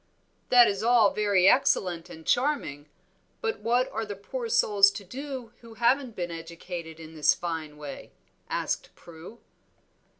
"That is all very excellent and charming, but what are the poor souls to do who haven't been educated in this fine way?" asked Prue.